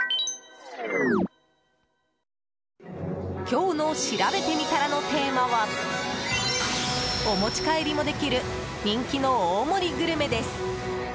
今日のしらべてみたらのテーマはお持ち帰りもできる人気の大盛りグルメです。